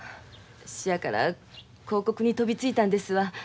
そやから広告に飛びついたんですわ。